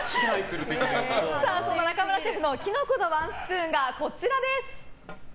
中村シェフのキノコのワンスプーンがこちらです。